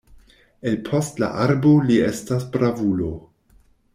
El post la arbo li estas bravulo.